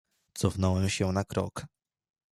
"Cofnąłem się na krok."